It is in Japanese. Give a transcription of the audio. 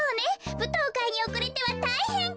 ぶとうかいにおくれてはたいへん。